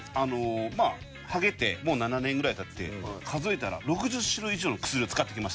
まあハゲてもう７年ぐらい経って数えたら６０種類以上の薬を使ってきました。